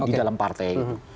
di dalam partai itu